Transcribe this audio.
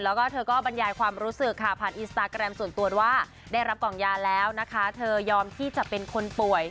แล้วก็เธอก็บรรยายความรู้สึกค่ะผ่านอินสตาแกรมส่วนตัวว่าได้รับกล่องยาแล้วนะคะเธอยอมที่จะเป็นคนป่วย